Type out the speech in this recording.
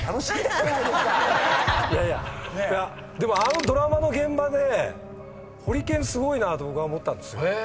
でもあのドラマの現場でホリケンすごいなと僕は思ったんですよ。